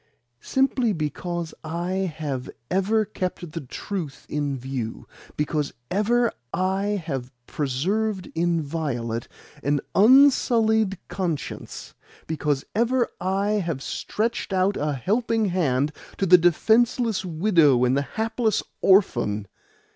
Simply because I have ever kept the truth in view, because ever I have preserved inviolate an unsullied conscience, because ever I have stretched out a helping hand to the defenceless widow and the hapless orphan!"